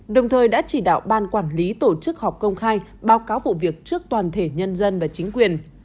đồng thời đã chỉ đạo ban quản lý tổ chức họp công khai báo cáo vụ việc trước toàn thể nhân dân và chính quyền